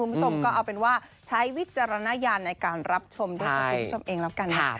คุณผู้ชมก็เอาเป็นว่าใช้วิจารณญาณในการรับชมด้วยกับคุณผู้ชมเองแล้วกันนะคะ